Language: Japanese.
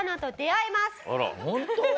ホント？